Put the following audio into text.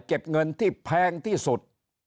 เก็บเงินที่แพงที่สุด